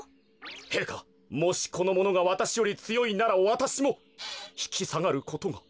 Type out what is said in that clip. へいかもしこのものがわたしよりつよいならわたしもひきさがることが。